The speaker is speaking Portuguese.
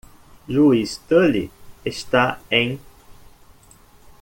Juiz Tully está em.